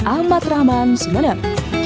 ahmad rahman sumeneb